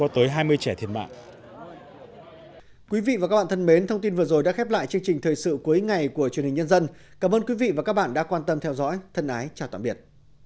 thân ái chào tạm biệt